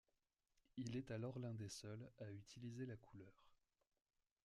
Il est alors l’un des seuls à utiliser la couleur.